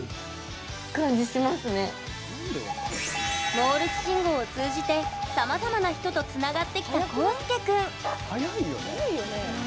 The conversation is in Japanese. モールス信号を通じてさまざまな人とつながってきたコウスケ君。